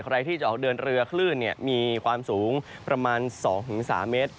ใครที่จะออกเดินเรือคลื่นมีความสูงประมาณ๒๓เมตร